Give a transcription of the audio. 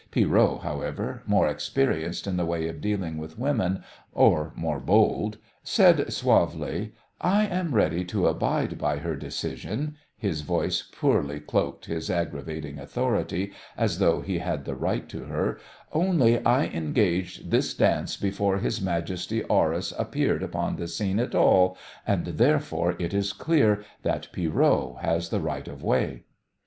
Pierrot, however, more experienced in the ways of dealing with women, or more bold, said suavely: "I am ready to abide by her decision" his voice poorly cloaked this aggravating authority, as though he had the right to her "only I engaged this dance before his Majesty Horus appeared upon the scene at all, and therefore it is clear that Pierrot has the right of way."